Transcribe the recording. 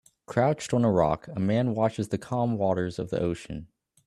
Crouched on a rock a man watches the calm waters of the ocean